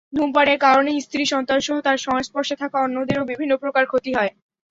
ধূমপানের কারণে স্ত্রী, সন্তানসহ তাঁর সংস্পর্শে থাকা অন্যদেরও বিভিন্ন প্রকার ক্ষতি হয়।